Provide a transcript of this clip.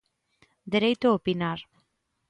Dereito a opinar.